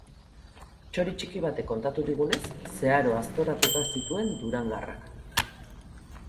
Txori txiki batek kontatu digunez, zeharo aztoratu zituen durangarrak!